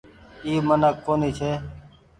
اي منک ڪونيٚ ڇي۔